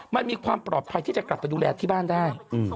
มันมีความปลอดภัยที่จะกลับไปดูแลที่บ้านได้